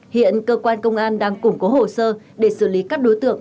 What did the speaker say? hiện cơ quan công an đang củng cố hồ sơ để xử lý các đối tượng